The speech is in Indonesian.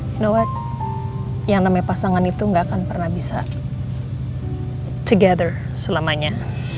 know what yang namanya pasangan itu gak akan pernah bisa together selamanya